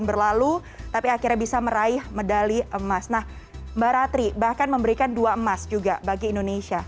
berlalu tapi akhirnya bisa meraih medali emas nah mbak ratri bahkan memberikan dua emas juga bagi indonesia